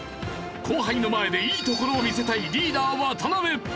後輩の前でいいところを見せたいリーダー渡辺。